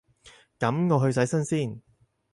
噉我去洗身先